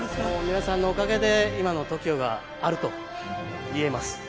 皆さんのおかげで、今のＴＯＫＩＯがあるといえます。